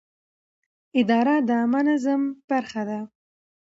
اداره د عامه نظم برخه ده.